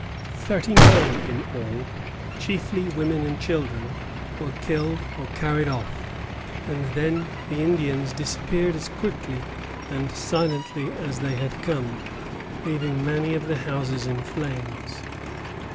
Thirty nine in all, chiefly women and children, were killed or carried off, and then the Indians disappeared as quickly and silently as they had come, leaving many of the houses in flames.